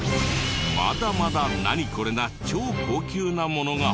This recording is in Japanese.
まだまだ「ナニコレ？」な超高級なものが！